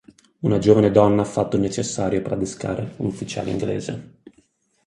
Una giovane donna ha fatto il necessario per adescare un ufficiale inglese.